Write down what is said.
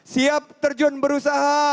siap terjun berusaha